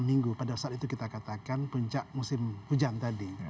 minggu pada saat itu kita katakan puncak musim hujan tadi